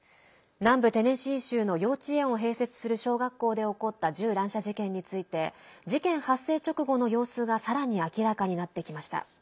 南部テネシー州の幼稚園を併設する小学校で起こった銃乱射事件について事件発射直後の様子がさらに明らかになってきました。